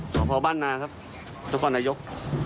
ขอบพบ้านนาครับเจ้าคนนายก